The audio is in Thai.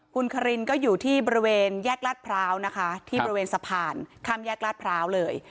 คุณคารินก็อยู่ที่บริเวณแยกลาดพร้าวนะคะที่บริเวณสะพานข้ามแยกลาดพร้าวเลย